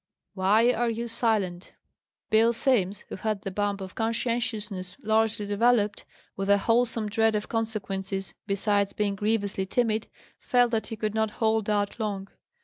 "Why are you silent?" Bill Simms, who had the bump of conscientiousness largely developed, with a wholesome dread of consequences, besides being grievously timid, felt that he could not hold out long.